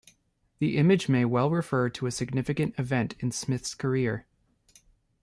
The image may well refer to a significant event in Smith's career.